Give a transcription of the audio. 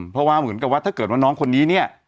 เพราะว่าเหมือนกับว่าถ้าเกิดว่าน้องคนนี้เนี่ย